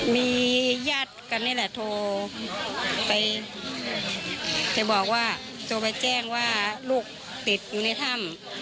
มีญาติกันนี่แหละโทรไปไปบอกว่าโทรไปแจ้งว่าลูกติดอยู่ในถ้ำ